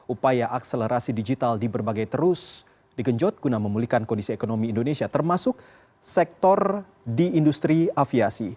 upaya akselerasi digital di berbagai terus digenjot guna memulihkan kondisi ekonomi indonesia termasuk sektor di industri aviasi